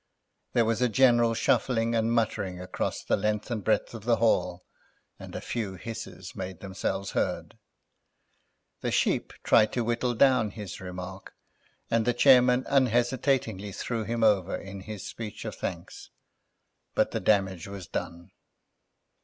There was a general shuffling and muttering across the length and breadth of the hall, and a few hisses made themselves heard. The Sheep tried to whittle down his remark, and the chairman unhesitatingly threw him over in his speech of thanks, but the damage was done.